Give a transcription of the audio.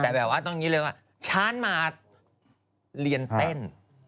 แต่แบบว่าตรงนี้เรียกว่าช้านมาเรียนเต้น